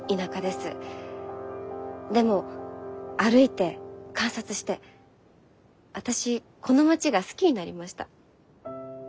でも歩いて観察して私この町が好きになりました。